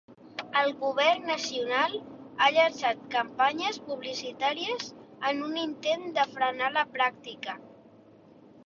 El govern nacional ha llençat campanyes publicitaries en un intent de frenar la pràctica.